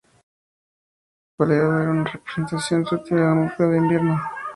Su objetivo principal era dar una representación sutil de la atmósfera de invierno.